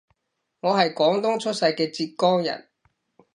我係廣東出世嘅浙江人